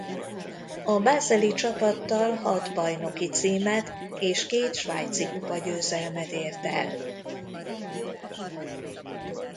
A bázeli csapattal hat bajnoki címet és két svájcikupa-győzelmet ért el.